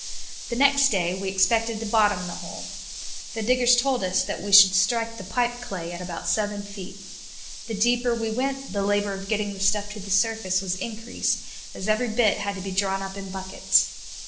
The next day we expected to bottom the hole. The diggers told us that we should strike the pipe clay at about seven feet. The deeper we went, the labor of getting the stuff to the surface was increased, as every bit had to be drawn up in buckets.